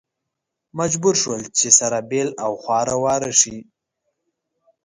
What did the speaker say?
مجبور شول چې سره بېل او خواره واره شي.